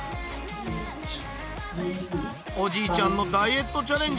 おじいちゃんのダイエットチャレンジ